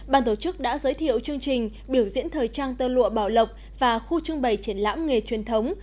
ban tổ chức đã giới thiệu chương trình biểu diễn thời trang tơ lụa bảo lộc và khu trưng bày triển lãm nghề truyền thống